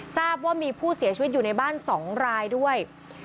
ทราบว่ามีผู้เสียชีวิตอยู่ในบ้าน๒รายด้วย